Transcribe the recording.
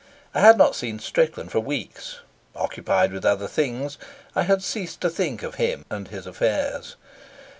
I had not seen Strickland for weeks. Occupied with other things, I had ceased to think of him and his affairs.